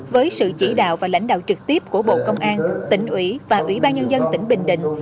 với sự chỉ đạo và lãnh đạo trực tiếp của bộ công an tỉnh ủy và ủy ban nhân dân tỉnh bình định